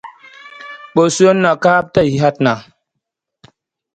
Ɓosionna ka hapta zi hatna.